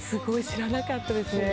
知らなかったですね。